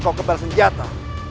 sekarang rasakan tenaga dalamku